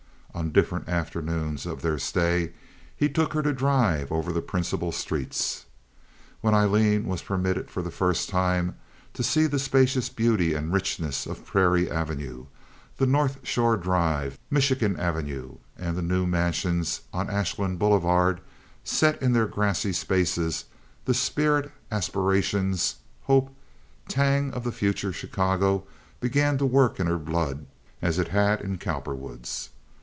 On different afternoons of their stay he took her to drive over the principal streets. When Aileen was permitted for the first time to see the spacious beauty and richness of Prairie Avenue, the North Shore Drive, Michigan Avenue, and the new mansions on Ashland Boulevard, set in their grassy spaces, the spirit, aspirations, hope, tang of the future Chicago began to work in her blood as it had in Cowperwood's.